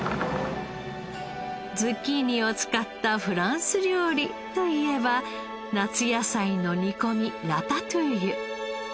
ズッキーニを使ったフランス料理といえば夏野菜の煮込みラタトゥイユ。